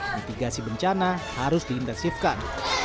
mitigasi bencana harus diintensifkan